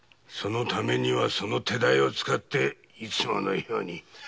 そのためにはその手代を使っていつものように。